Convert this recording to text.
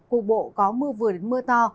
cục bộ có mưa vừa đến mưa to